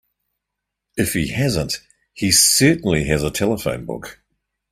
If he hasn't he certainly has a telephone book.